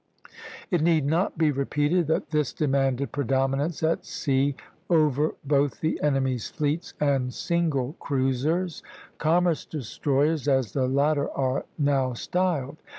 It need not be repeated that this demanded predominance at sea over both the enemy's fleets and single cruisers, "commerce destroyers," as the latter are now styled.